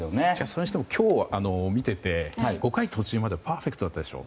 それにしても今日、見ていて５回途中までパーフェクトだったでしょ。